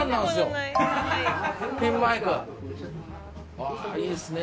ああいいっすね。